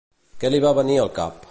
Què li va venir al cap?